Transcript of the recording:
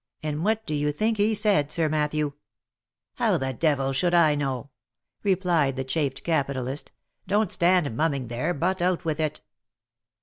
And what do you think he said, Sir Matthew ?"" How the devil should I know V replied the chafed capitalist. " Don't stand mumming there, but out with it."